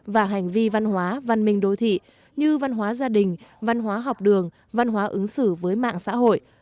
và hành vi văn hóa văn minh đô thị như văn hóa gia đình văn hóa học đường văn hóa ứng xử với mạng xã hội